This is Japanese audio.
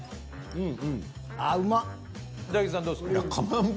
うん。